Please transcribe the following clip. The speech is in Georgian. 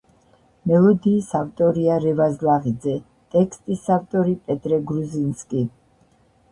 მელოდიის ავტორია რევაზ ლაღიძე, ტექსტის ავტორი პეტრე გრუზინსკი.